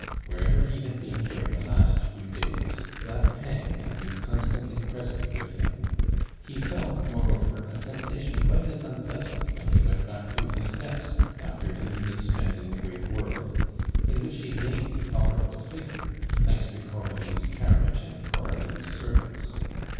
Wherever he had been during the last few days, that pang had been constantly present with him. He felt, moreover, a sensation quite as unpleasant when he went back to his desk after an evening spent in the great world, in which he made a tolerable figure, thanks to Coralie's carriage and Coralie's servants.